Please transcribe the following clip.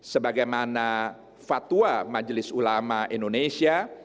sebagaimana fatwa majelis ulama indonesia